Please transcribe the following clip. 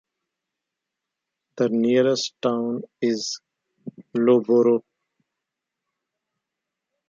The nearest town is Loughborough.